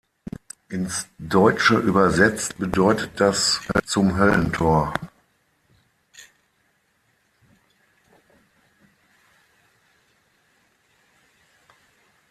Ins Deutsche übersetzt bedeutet das „Zum Höllentor“.